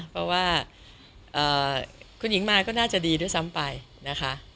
เพราะว่าคุณหญิงมาก็น่าจะดีด้วยซ้ำไปนะคะ